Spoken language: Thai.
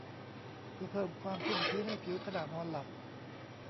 เพื่อเพิ่มความชุ่มชื้นให้ผิวขณะนอนหลับ